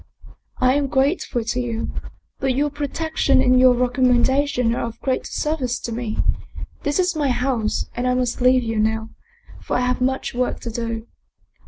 "I am grateful to you, but your protection and your recommendation are of greater service to me. This is my house, and I must leave you now, for I have much work to do.